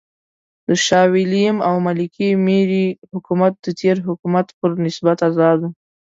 د شاه وېلیم او ملکې مېري حکومت د تېر حکومت پر نسبت آزاد و.